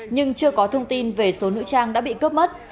nhưng chưa có thông tin về số nữ trang đã bị cướp mất